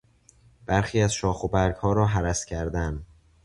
برخی از شاخ و برگها را هرس کردن